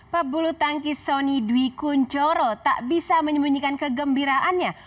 pebulu tangkis sony dwi kunchoro tak bisa menyembunyikan kegembiraannya